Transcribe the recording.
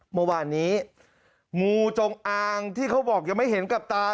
เมื่อวานนี้งูจงอางที่เขาบอกยังไม่เห็นกับตา